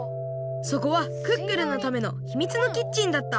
そこはクックルンのためのひみつのキッチンだった